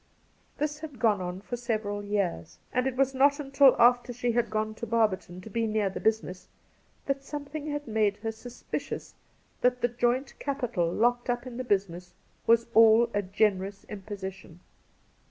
This had gone on for several years, and it was not until after she had gone to Barberton, 'to be near the business,' that something had made her suspicious that the joint capital locked up in the business was aU a generous imposition.